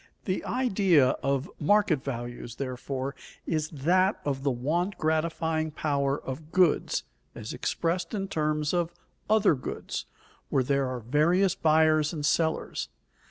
_ The idea of market values, therefore, is that of the want gratifying power of goods as expressed in terms of other goods, where there are various buyers and sellers.